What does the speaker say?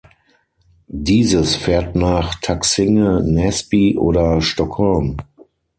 Dieses fährt nach Taxinge-Näsby oder Stockholm.